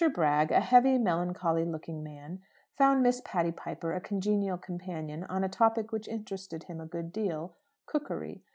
Bragg, a heavy, melancholy looking man, found Miss Patty Piper a congenial companion on a topic which interested him a good deal cookery.